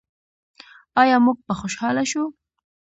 آیا موږ به خوشحاله شو؟